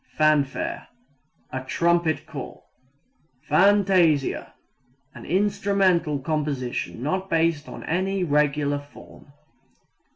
Fanfare a trumpet call. Fantasia An instrumental composition not based on any regular form.